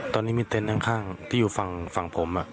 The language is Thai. ตอนนี้มีเต็นต์ข้างที่อยู่ฝั่งผม